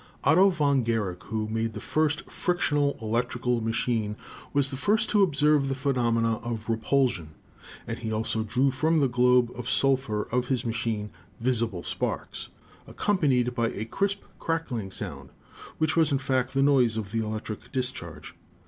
Otto von Guericke, who made the first frictional electrical machine, was the first to observe the phenomena of repul sion, and he also drew from the globe of sulphur of his machine visible sparks, accompanied by a crisp crackling sound, which was in fact the noise of the electric dis charge.